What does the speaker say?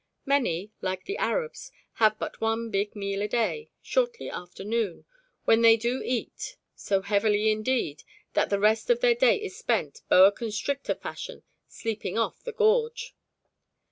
Many, like the Arabs, have but one big meal a day, shortly after noon, when they do eat; so heavily indeed that the rest of their day is spent, boa constrictor fashion, sleeping off the gorge.